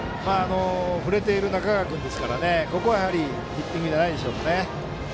振れている中川君ですからここはヒッティングじゃないでしょうか。